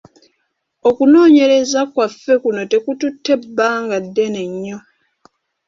Okunoonyereza kwaffe kuno tekututte bbanga ddene nnyo.